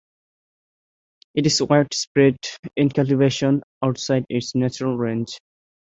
It is widespread in cultivation outside its natural range.